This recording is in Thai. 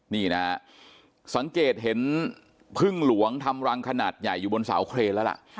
นี่นะฮะสังเกตเห็นพึ่งหลวงทำรังขนาดใหญ่อยู่บนเสาเครนแล้วล่ะ